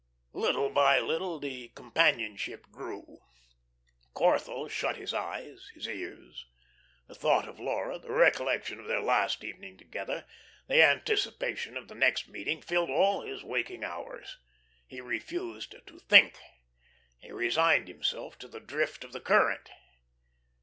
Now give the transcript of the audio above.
Little by little the companionship grew. Corthell shut his eyes, his ears. The thought of Laura, the recollection of their last evening together, the anticipation of the next meeting filled all his waking hours. He refused to think; he resigned himself to the drift of the current.